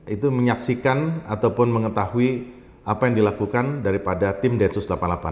itu menyaksikan ataupun mengetahui apa yang dilakukan daripada tim densus delapan puluh delapan